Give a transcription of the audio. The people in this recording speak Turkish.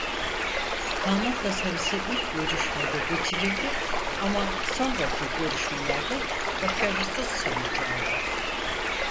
Kanun tasarısı ilk görüşmede geçirildi ama sonraki görüşmelerde başarısız sonuç aldı.